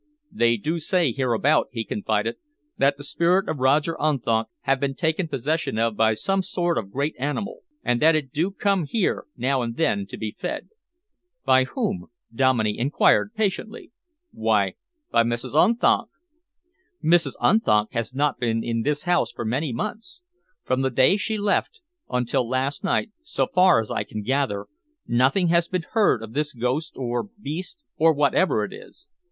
"They do say hereabout," he confided, "that the spirit of Roger Unthank have been taken possession of by some sort of great animal, and that it do come here now and then to be fed." "By whom?" Dominey enquired patiently. "Why, by Mrs. Unthank." "Mrs. Unthank has not been in this house for many months. From the day she left until last night, so far as I can gather, nothing has been heard of this ghost, or beast, or whatever it is."